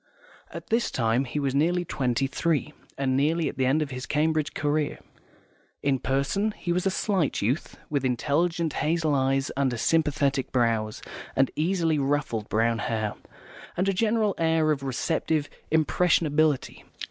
At this time he was nearly twenty three, and nearly at the end of his Cambridge career. In person he was a slight youth, with intelligent hazel eyes under sympathetic brows, and easily ruffled brown hair, and a general air of receptive impressionability.